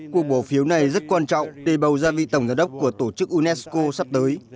cuộc bỏ phiếu này rất quan trọng để bầu ra vị tổng giám đốc của tổ chức unesco sắp tới